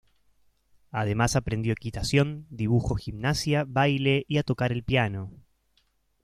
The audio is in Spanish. Además aprendió equitación, dibujo, gimnasia, baile y a tocar el piano.